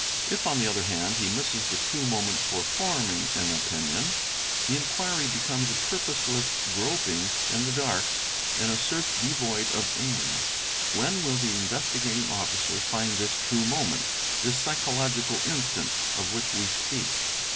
If on the other hand he misses the true moment for forming an opinion, the inquiry becomes a purposeless groping in the dark and a search devoid of aim. When will the Investigating Officer find this true moment, this psychological instant, of which we speak